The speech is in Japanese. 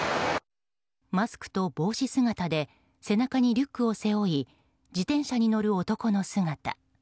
マスクと帽子姿で背中にリュックを背負い自転車に乗る男の姿。